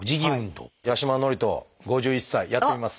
八嶋智人５１歳やってみます。